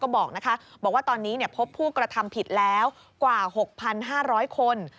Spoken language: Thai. บอกว่าตอนนี้พบผู้กระทำผิดแล้วกว่า๖๕๐๐คน